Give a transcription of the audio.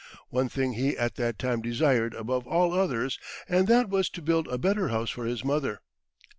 One thing he at that time desired above all others, and that was to build a better house for his mother.